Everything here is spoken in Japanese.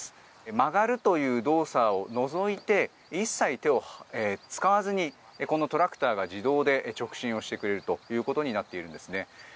曲がるという動作を除いて一切、手を使わずにこのトラクターが自動で直進をしてくれるということになっているんです。